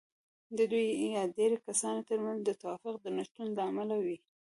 د دوو يا ډېرو کسانو ترمنځ د توافق د نشتون له امله وي.